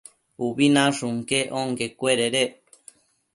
Ubi nashun quec onquecuededec